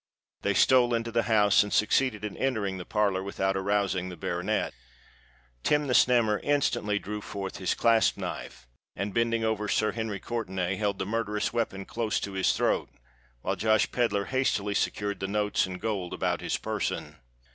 They stole into the house, and succeeded in entering the parlour without arousing the baronet. Tim the Snammer instantly drew forth his clasp knife, and, bending over Sir Henry Courtenay, held the murderous weapon close to his throat, while Josh Pedler hastily secured the notes and gold about his person.